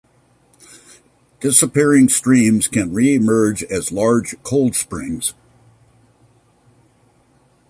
Disappearing streams can re-emerge as large cold springs.